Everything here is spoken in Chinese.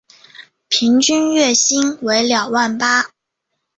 平均月薪为两万八